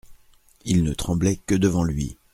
Ils ne tremblaient que devant lui.